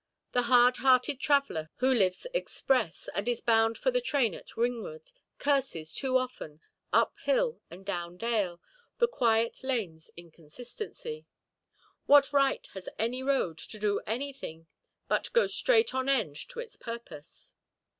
The hard–hearted traveller who lives express, and is bound for the train at Ringwood, curses, too often, up hill and down dale, the quiet laneʼs inconsistency. What right has any road to do anything but go straight on end to its purpose?